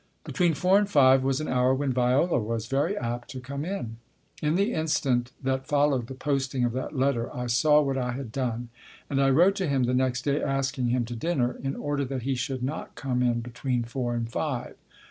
Between four and five was an hour when Viola was very apt to come in. / In the instant that followed the posting of that letter 1 saw what I had done. And I wrote to him the next day asking him to dinner, in order that he should not come in between four and five.